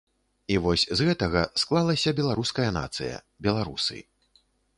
І вось з гэтага склалася беларуская нацыя, беларусы.